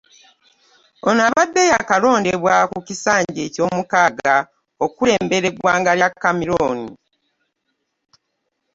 Ono abadde yaakalondebwa ku kisanja eky'omukaaga okukulembera eggwanga lya Cameroon.